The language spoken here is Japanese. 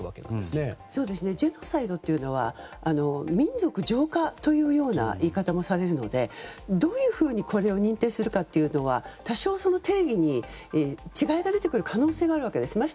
ジェノサイドというのは民族浄化というような言い方もされるのでどういうふうにこれを認定するかというのは多少、定義に違いが出てくる可能性が出てくるわけです。